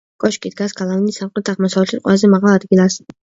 კოშკი დგას გალავნის სამხრეთ-აღმოსავლეთით, ყველაზე მაღალ ადგილას.